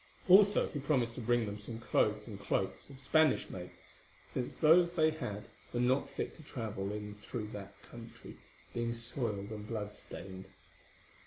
Also he promised to bring them some clothes and cloaks of Spanish make, since those they had were not fit to travel in through that country, being soiled and blood stained.